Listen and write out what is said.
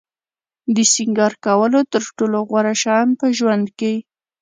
د سینگار کولو تر ټولو غوره شیان په ژوند کې.